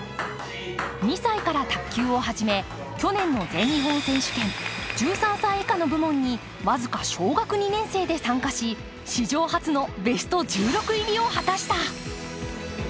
２歳から卓球を始め、去年の全日本選手権、１３歳以下の部門に僅か小学２年生で参加し、史上初のベスト１６入りを果たした。